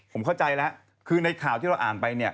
ผมเข้าใจแล้วคือในข่าวที่เราอ่านไปเนี่ย